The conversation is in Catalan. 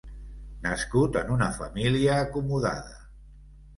Nascut en una família acomodada.